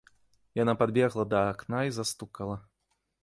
Яна падбегла да акна і застукала.